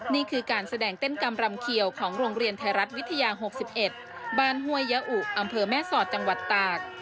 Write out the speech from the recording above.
นี่คือการแสดงเต้นกรรมรำเขียวของโรงเรียนไทยรัฐวิทยา๖๑บ้านห้วยยะอุอำเภอแม่สอดจังหวัดตาก